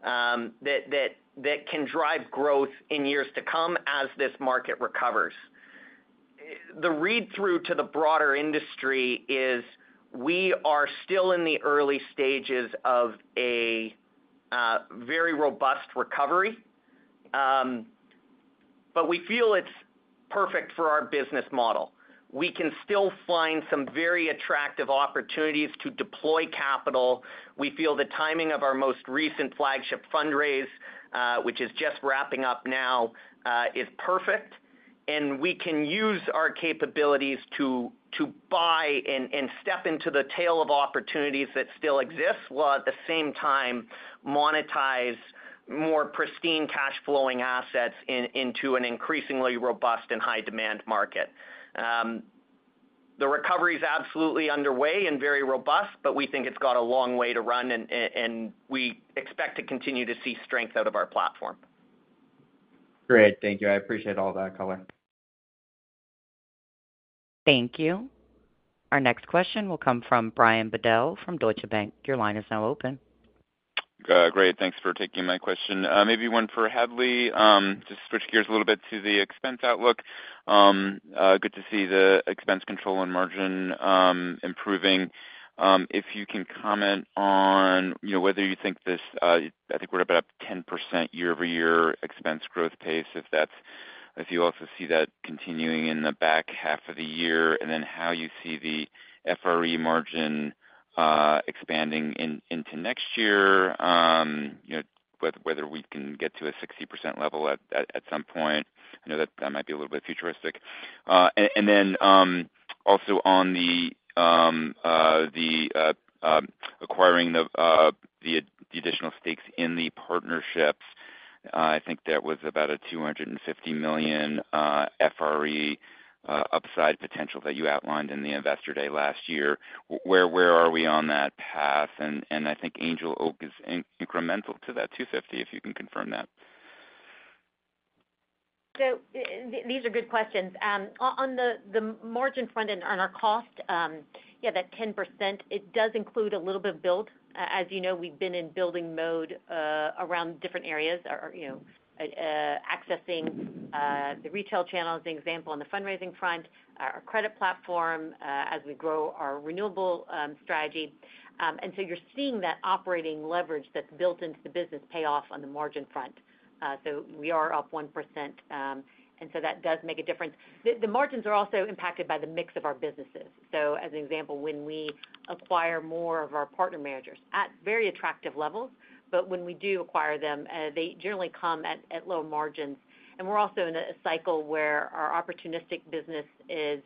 that can drive growth in years to come as this market recovers. The read-through to the broader industry is we are still in the early stages of a very robust recovery. We feel it's perfect for our business model. We can still find some very attractive opportunities to deploy capital. We feel the timing of our most recent flagship fundraise, which is just wrapping up now, is perfect. We can use our capabilities to buy and step into the tail of opportunities that still exist, while at the same time monetize more pristine cash-flowing assets into an increasingly robust and high-demand market. The recovery is absolutely underway and very robust. We think it's got a long way to run, and we expect to continue to see strength out of our platform. Great. Thank you. I appreciate all that color. Thank you. Our next question will come from Brian Bedell from Deutsche Bank. Your line is now open. Great. Thanks for taking my question. Maybe one for Hadley. Just switch gears a little bit to the expense outlook. Good to see the expense control and margin improving. If you can comment on whether you think this, I think we're about at a 10% year-over-year expense growth pace, if you also see that continuing in the back half of the year, and then how you see the FRE margin expanding into next year, whether we can get to a 60% level at some point. I know that that might be a little bit futuristic. Also on the acquiring the additional stakes in the partnerships, I think that was about a $250 million FRE upside potential that you outlined in the Investor Day last year. Where are we on that path? I think Angel Oak is incremental to that $250, if you can confirm that. These are good questions. On the margin front and on our cost, yeah, that 10% does include a little bit of build. As you know, we've been in building mode around different areas, accessing the retail channel as an example on the fundraising front, our credit platform as we grow our renewable strategy. You're seeing that operating leverage that's built into the business pay off on the margin front. We are up 1%, and that does make a difference. The margins are also impacted by the mix of our businesses. As an example, when we acquire more of our partner managers at very attractive levels, when we do acquire them, they generally come at low margins. We're also in a cycle where our opportunistic business is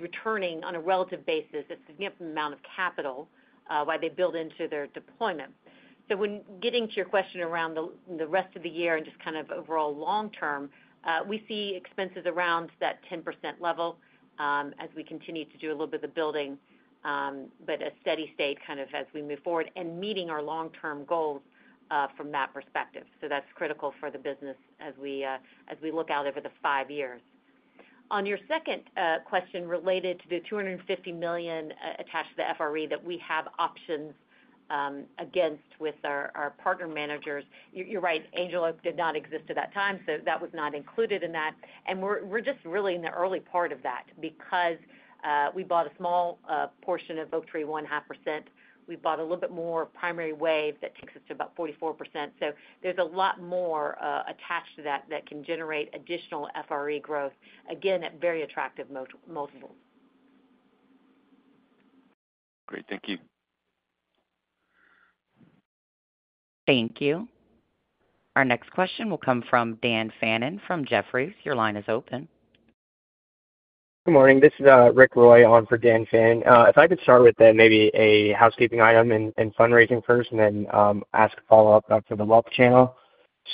returning on a relative basis a significant amount of capital while they build into their deployment. Getting to your question around the rest of the year and just kind of overall long term, we see expenses around that 10% level as we continue to do a little bit of the building, but a steady state kind of as we move forward and meeting our long-term goals from that perspective. That's critical for the business as we look out over the five years. On your second question related to the $250 million attached to the FRE that we have options against with our partner managers, you're right, Angel Oak did not exist at that time, so that was not included in that. We're just really in the early part of that because we bought a small portion of Oaktree, 1.5%. We bought a little bit more Primary Wave that takes us to about 44%. There's a lot more attached to that that can generate additional FRE growth, again, at very attractive multiples. Great, thank you. Thank you. Our next question will come from Dan Fannon from Jefferies. Your line is open. Good morning. This is Rick Roy on for Dan Fannon. If I could start with maybe a housekeeping item in fundraising first and then ask a follow-up for the Wealth Channel.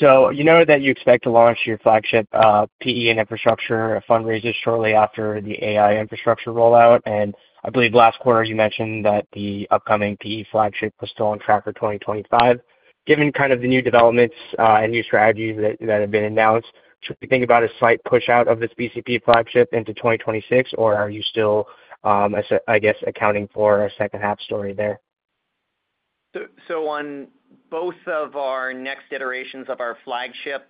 You know that you expect to launch your flagship PE and infrastructure fundraisers shortly after the AI infrastructure rollout. I believe last quarter you mentioned that the upcoming PE flagship was still on track for 2025. Given kind of the new developments and new strategies that have been announced, do you think about a slight push-out of this BCP flagship into 2026, or are you still, I guess, accounting for a second-half story there? On both of our next iterations of our flagship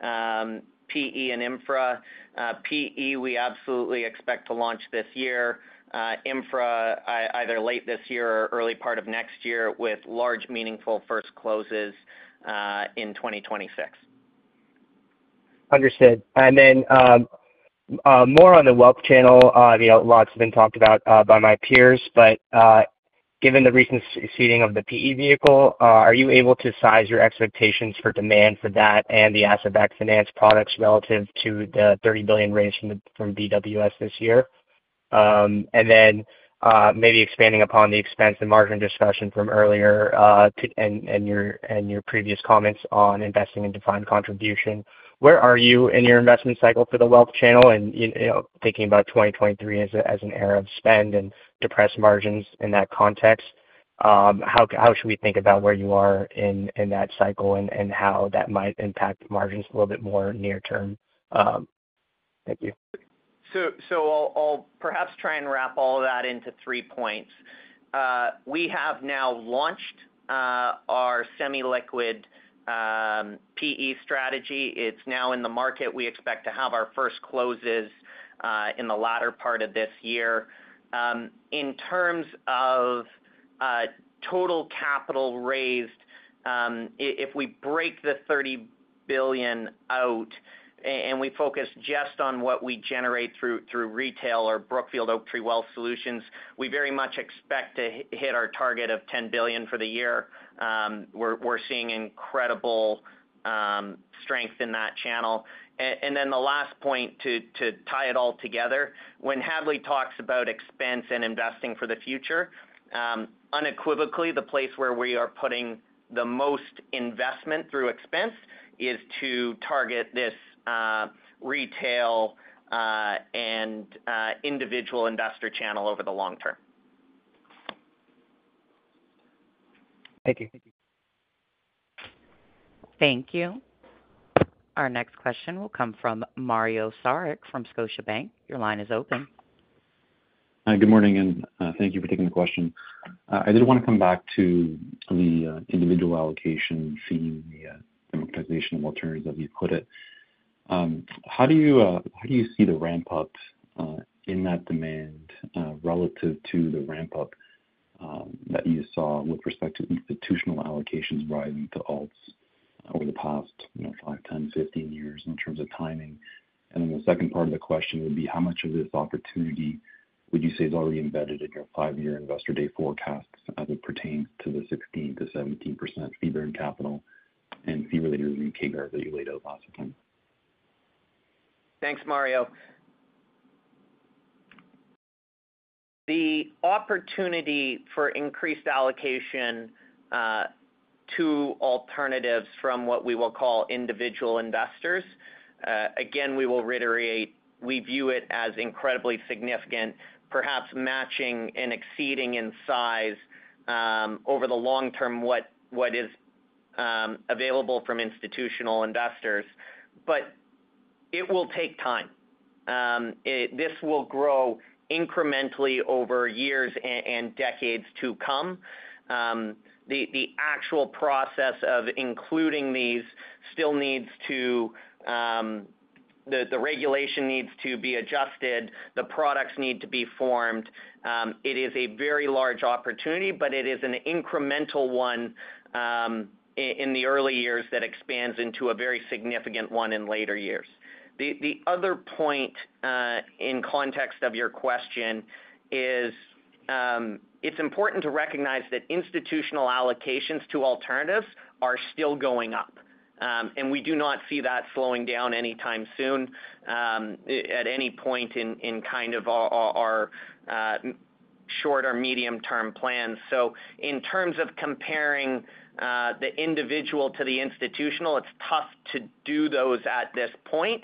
PE and infra, PE we absolutely expect to launch this year, infra either late this year or early part of next year with large, meaningful first closes in 2026. Understood. More on the Wealth Channel, lots have been talked about by my peers. Given the recent succeeding of the PE vehicle, are you able to size your expectations for demand for that and the asset-backed finance products relative to the $30 billion raised from BWS this year? Maybe expanding upon the expense, the margin discussion from earlier and your previous comments on investing in defined contribution, where are you in your investment cycle for the Wealth Channel? Thinking about 2023 as an era of spend and depressed margins in that context, how should we think about where you are in that cycle and how that might impact margins a little bit more near term? Thank you. I'll perhaps try and wrap all of that into three points. We have now launched our semi-liquid PE strategy. It's now in the market. We expect to have our first closes in the latter part of this year. In terms of total capital raised, if we break the $30 billion out and we focus just on what we generate through retail or Brookfield Oaktree Wealth Solutions, we very much expect to hit our target of $10 billion for the year. We're seeing incredible strength in that channel. The last point to tie it all together, when Hadley talks about expense and investing for the future, unequivocally, the place where we are putting the most investment through expense is to target this retail and individual investor channel over the long term. Thank you. Thank you. Our next question will come from Mario Saric from Scotiabank. Your line is open. Hi. Good morning, and thank you for taking the question. I did want to come back to the individual allocation seeing the democratization of alternatives, as you put it. How do you see the ramp-ups in that demand relative to the ramp-up that you saw with respect to institutional allocations rising to alts over the past 5, 10, 15 years in terms of timing? The second part of the question would be, how much of this opportunity would you say is already embedded in your five-year Investor Day forecast as it pertains to the 16%-17% fee-bearing capital and fee-related earnings bars that you laid out last attempt? Thanks, Mario. The opportunity for increased allocation to alternatives from what we will call individual investors, again, we will reiterate, we view it as incredibly significant, perhaps matching and exceeding in size over the long term what is available from institutional investors. It will take time. This will grow incrementally over years and decades to come. The actual process of including these still needs to, the regulation needs to be adjusted. The products need to be formed. It is a very large opportunity, but it is an incremental one in the early years that expands into a very significant one in later years. The other point in context of your question is it's important to recognize that institutional allocations to alternatives are still going up. We do not see that slowing down anytime soon at any point in kind of our short or medium-term plans. In terms of comparing the individual to the institutional, it's tough to do those at this point,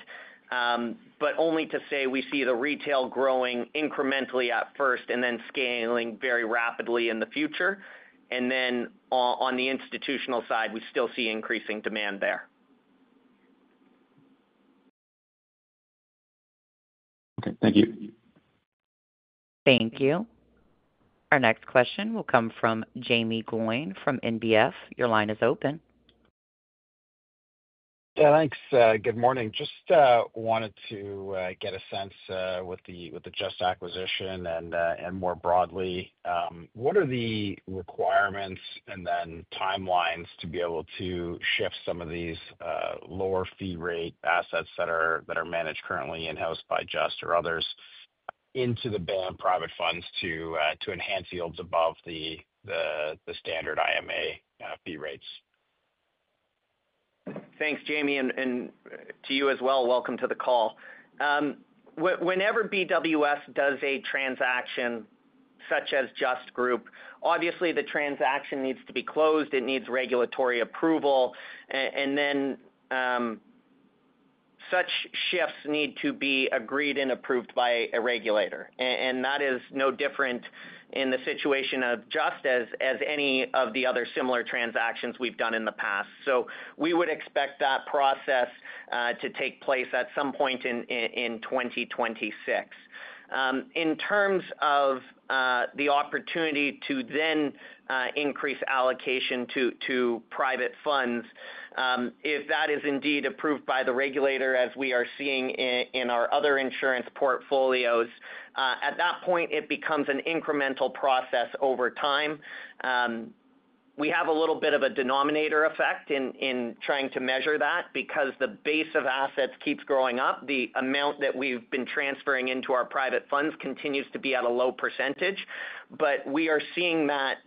but only to say we see the retail growing incrementally at first and then scaling very rapidly in the future. On the institutional side, we still see increasing demand there. OK, thank you. Thank you. Our next question will come from Jaeme Gloyn from NBF. Your line is open. Yeah, thanks. Good morning. Just wanted to get a sense with the Just acquisition and more broadly, what are the requirements and then timelines to be able to shift some of these lower fee rate assets that are managed currently in-house by Just or others into the BAM private funds to enhance yields above the standard IMA fee rates? Thanks, Jaeme, and to you as well. Welcome to the call. Whenever BWS does a transaction such as Just Group, obviously the transaction needs to be closed. It needs regulatory approval, and such shifts need to be agreed and approved by a regulator. That is no different in the situation of Just as any of the other similar transactions we've done in the past. We would expect that process to take place at some point in 2026. In terms of the opportunity to then increase allocation to private funds, if that is indeed approved by the regulator, as we are seeing in our other insurance portfolios, at that point, it becomes an incremental process over time. We have a little bit of a denominator effect in trying to measure that because the base of assets keeps growing up. The amount that we've been transferring into our private funds continues to be at a low %. We are seeing that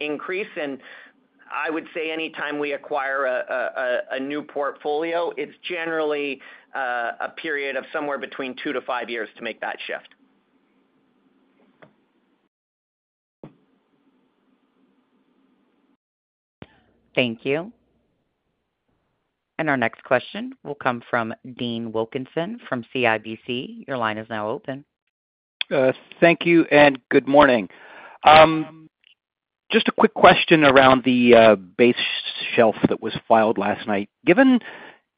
increase. I would say any time we acquire a new portfolio, it's generally a period of somewhere between two to five years to make that shift. Thank you. Our next question will come from Dean Wilkinson from CIBC. Your line is now open. Thank you and good morning. Just a quick question around the base shelf that was filed last night. Given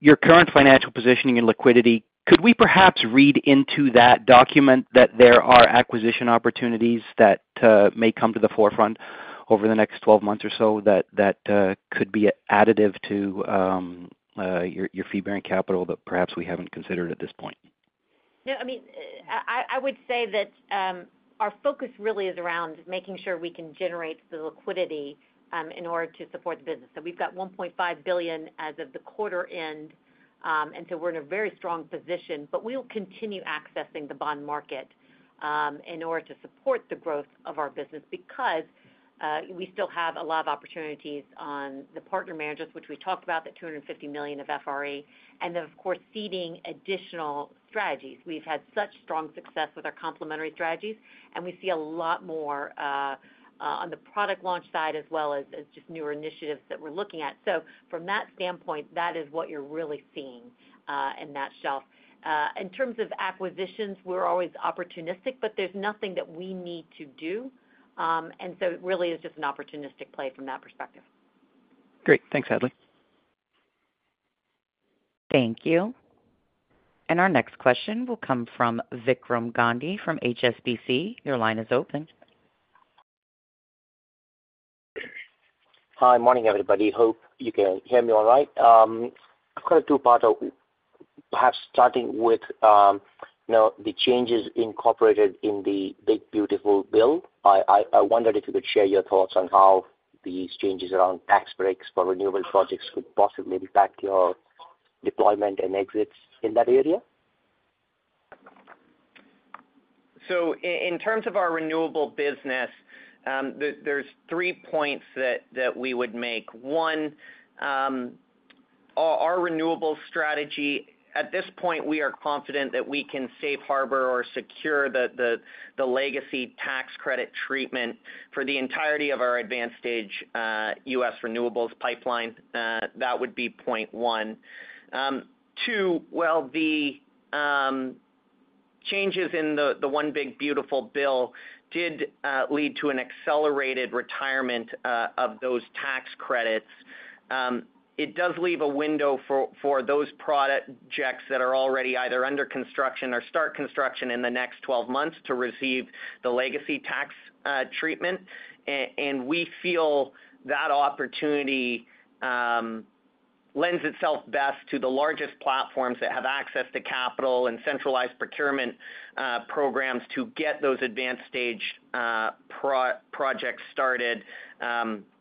your current financial positioning and liquidity, could we perhaps read into that document that there are acquisition opportunities that may come to the forefront over the next 12 months or so that could be an additive to your fee-bearing capital that perhaps we haven't considered at this point? No, I mean, I would say that our focus really is around making sure we can generate the liquidity in order to support the business. We've got $1.5 billion as of the quarter end, and we're in a very strong position. We will continue accessing the bond market in order to support the growth of our business because we still have a lot of opportunities on the partner managers, which we talked about, that $250 million of FRE, and then, of course, seeding additional strategies. We've had such strong success with our complementary strategies, and we see a lot more on the product launch side as well as just newer initiatives that we're looking at. From that standpoint, that is what you're really seeing in that shelf. In terms of acquisitions, we're always opportunistic, but there's nothing that we need to do. It really is just an opportunistic play from that perspective. Great. Thanks, Hadley. Thank you. Our next question will come from Vikram Gandhi from HSBC. Your line is open. Hi. Morning, everybody. Hope you can hear me all right. I've got a two-part open, perhaps starting with the changes incorporated in the Big Beautiful Bill. I wondered if you could share your thoughts on how these changes around tax breaks for renewable projects could possibly impact your deployment and exits in that area. In terms of our renewable business, there are three points that we would make. One, our renewable strategy at this point, we are confident that we can safe harbor or secure the legacy tax credit treatment for the entirety of our advanced-stage U.S. renewables pipeline. That would be point one. Two, the changes in the One Big Beautiful Bill did lead to an accelerated retirement of those tax credits. It does leave a window for those projects that are already either under construction or start construction in the next 12 months to receive the legacy tax treatment. We feel that opportunity lends itself best to the largest platforms that have access to capital and centralized procurement programs to get those advanced-stage projects started.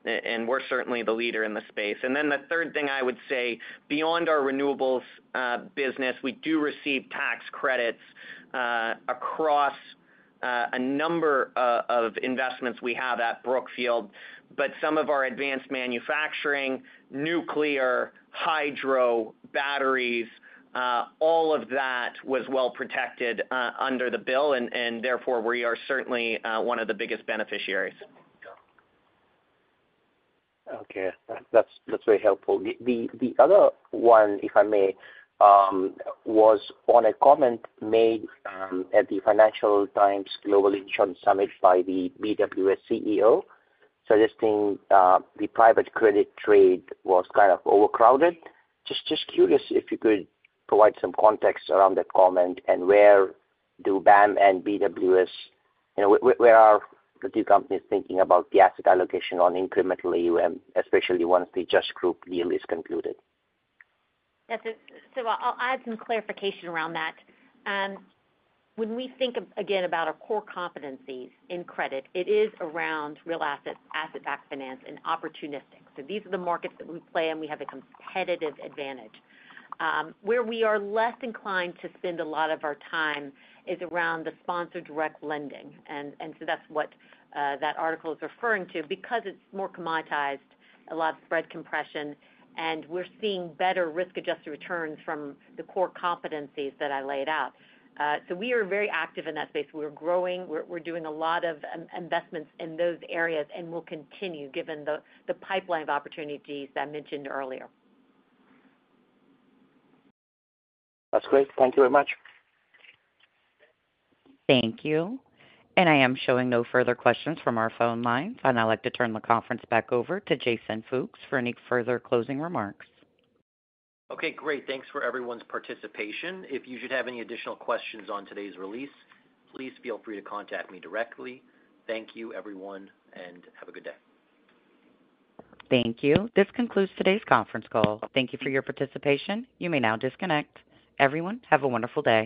We are certainly the leader in the space. The third thing I would say, beyond our renewables business, is we do receive tax credits across a number of investments we have at Brookfield. Some of our advanced manufacturing, nuclear, hydro batteries, all of that was well protected under the bill. Therefore, we are certainly one of the biggest beneficiaries. OK. That's very helpful. The other one, if I may, was on a comment made at the Financial Times Global Insurance Summit by the BWS CEO, suggesting the private credit trade was kind of overcrowded. Just curious if you could provide some context around that comment and where do BAM and BWS, you know, where are the two companies thinking about the asset allocation on incremental AUM, especially once the Just Group deal is concluded? I'll add some clarification around that. When we think, again, about our core competencies in credit, it is around real assets, asset-backed finance, and opportunistic. These are the markets that we play in. We have a competitive advantage. Where we are less inclined to spend a lot of our time is around the sponsor-direct lending. That's what that article is referring to because it's more commoditized, a lot of spread compression. We're seeing better risk-adjusted returns from the core competencies that I laid out. We are very active in that space. We're growing. We're doing a lot of investments in those areas and will continue, given the pipeline of opportunities that I mentioned earlier. That's great. Thank you very much. Thank you. I am showing no further questions from our phone line. I'd like to turn the conference back over to Jason Fooks for any further closing remarks. OK, great. Thanks for everyone's participation. If you should have any additional questions on today's release, please feel free to contact me directly. Thank you, everyone, and have a good day. Thank you. This concludes today's conference call. Thank you for your participation. You may now disconnect. Everyone, have a wonderful day.